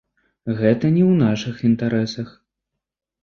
Гэта не ў нашых інтарэсах.